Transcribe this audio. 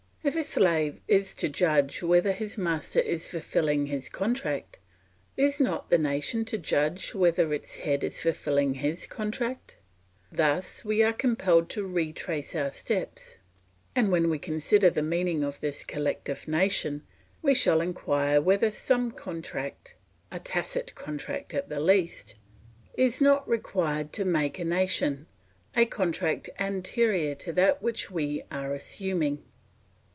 If a slave is to judge whether his master is fulfilling his contract, is not the nation to judge whether its head is fulfilling his contract? Thus we are compelled to retrace our steps, and when we consider the meaning of this collective nation we shall inquire whether some contract, a tacit contract at the least, is not required to make a nation, a contract anterior to that which we are assuming.